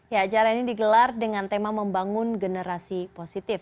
ya acara ini digelar dengan tema membangun generasi positif